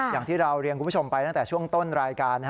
อย่างที่เราเรียนคุณผู้ชมไปตั้งแต่ช่วงต้นรายการ